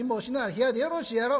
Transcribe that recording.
冷やでよろしいやろ」。